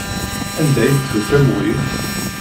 Anda ay d-tufam wi?